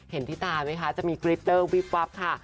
เห็นที่ตาไหมคะจะมีกริตเตอร์วิบวับค่ะ